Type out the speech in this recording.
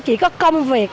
chỉ có công việc